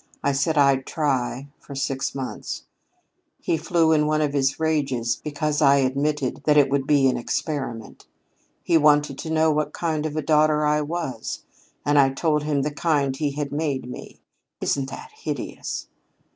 I said I'd try, for six months. He flew in one of his rages because I admitted that it would be an experiment. He wanted to know what kind of a daughter I was, and I told him the kind he had made me. Isn't that hideous?